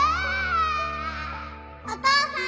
お父さん。